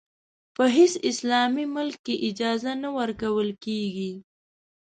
په هېڅ اسلامي ملک کې اجازه نه ورکول کېږي.